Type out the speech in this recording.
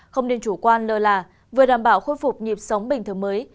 không nên chủ quan lơ là vừa đảm bảo khôi phục nhịp sống bình thường mới